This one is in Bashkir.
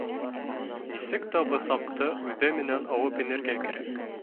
Нисек тә бысаҡты үҙе менән алып инергә кәрәк